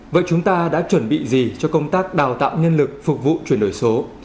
vậy chúng ta đã chuẩn bị gì cho công tác đào tạo nhân lực phục vụ chuyển đổi số